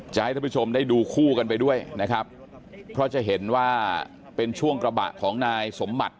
ให้ท่านผู้ชมได้ดูคู่กันไปด้วยนะครับเพราะจะเห็นว่าเป็นช่วงกระบะของนายสมบัติ